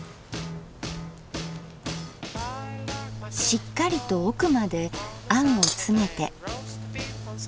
しっかりと奥まであんを詰めて。